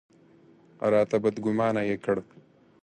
راته بدګومانه یې کړ.